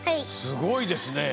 すごいですね。